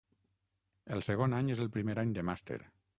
El segon any és el primer any de màster.